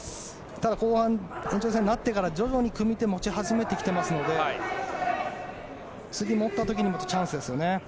ただ、後半延長戦になってから徐々に組み手を持ち始めてきていますので次持った時にチャンスですね。